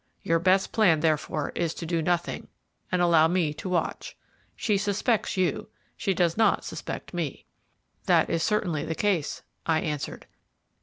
Your best plan, therefore, is to do nothing, and allow me to watch. She suspects you, she does not suspect me." "That is certainly the case," I answered.